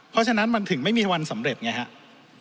เพราะฉะนั้นมันถึงไม่มีวันสำเร็จไงครับ